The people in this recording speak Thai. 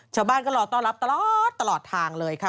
ชาวบ้านก็รอต้อนรับตลอดตลอดทางเลยค่ะ